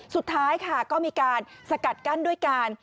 สุดท้ายค่ะก็มีการสกัดกั้นด้วยการ